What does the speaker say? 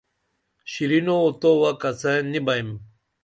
شِرینو تووہ کڅین نی بئیم